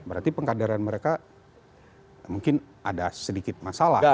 berarti pengkaderan mereka mungkin ada sedikit masalah